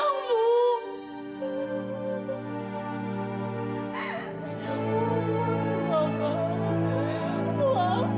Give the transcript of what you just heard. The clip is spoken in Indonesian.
kita berolah lagi